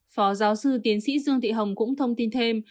phó giáo sư tiến sĩ dương thị hồng cũng thông tin thêm